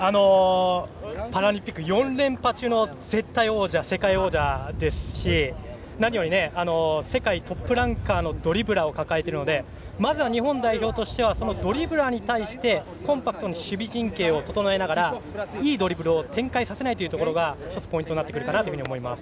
パラリンピック４連覇中の絶対王者世界王者ですし何より世界トップランカーのドリブラーを抱えているのでまず日本代表としてはそのドリブラーに対してコンパクトな守備陣形を整えながらいいドリブルを展開させないことが１つポイントになると思います。